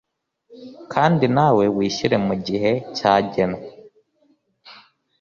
kandi nawe wishyure mu gihe cyagenwe